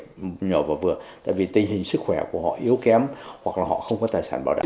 nhỏ và vừa tại vì tình hình sức khỏe của họ yếu kém hoặc là họ không có tài sản bảo đảm